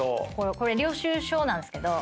これ領収書なんすけど。